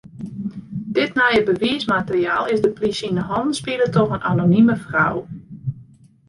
Dit nije bewiismateriaal is de plysje yn hannen spile troch in anonime frou.